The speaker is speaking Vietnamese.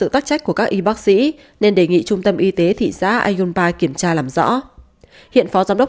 tác trách của các y bác sĩ nên đề nghị trung tâm y tế thị xã ayunpa kiểm tra làm rõ hiện phó giám đốc